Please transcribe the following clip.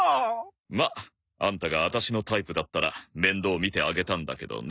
まあアンタがワタシのタイプだったら面倒見てあげたんだけどね。